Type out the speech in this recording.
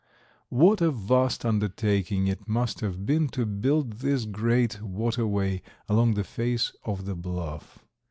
What a vast undertaking it must have been to build this great waterway along the face of the bluff.